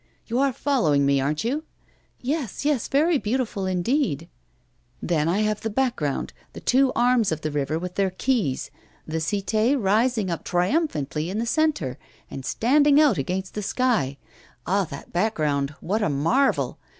'You are following me, aren't you?' 'Yes, yes, very beautiful indeed.' 'Then I have the background, the two arms of the rivet with their quays, the Cité, rising up triumphantly in the centre, and standing out against the sky. Ah! that background, what a marvel!